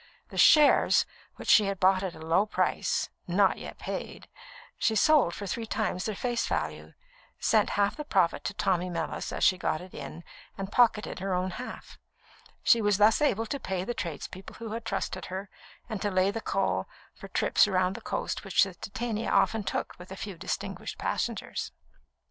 The shares which she had bought at a low price not yet paid she sold for three times their face value, sent half the profit to Tommy Mellis as she got it in, and pocketed her own half. She was thus able to pay the tradespeople who had trusted her, and to lay in coal for the trips round the coast which the Titania often took with a few distinguished passengers.